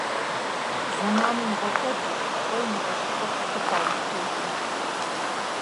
Зэман умыгъэкӀуэду, кӀуэи нэгъуэщӀ щӀыпӀэ щылъыхъуэ а уи пэжым.